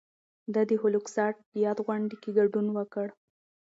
ده د هولوکاسټ د یاد غونډې کې ګډون وکړ.